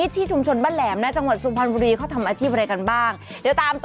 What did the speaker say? ทำไมเสียงเหลอ